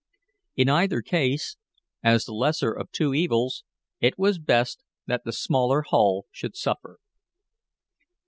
In either case, as the lesser of two evils, it was best that the smaller hull should suffer.